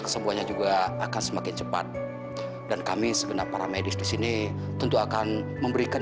kesembuhannya juga akan semakin cepat dan kami segenap para medis disini tentu akan memberikan